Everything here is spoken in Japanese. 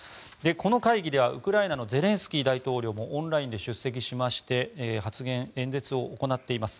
この会議ではウクライナのゼレンスキー大統領もオンラインで出席しまして演説を行っています。